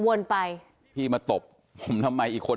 มึงนึกว่าข้ามเขาบ้าง